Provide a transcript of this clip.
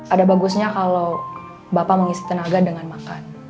ada bagusnya kalau bapak mengisi tenaga dengan makan